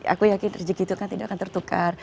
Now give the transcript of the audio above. aku yakin rezeki itu kan tidak akan tertukar